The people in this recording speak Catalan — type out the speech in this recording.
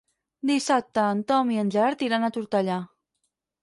Dissabte en Tom i en Gerard iran a Tortellà.